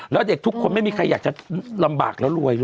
แล้วเด็กทุกคนไม่มีใครอยากจะลำบากแล้วรวยเลย